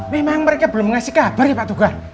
memang mereka belum ngasih kabar ya pak tugas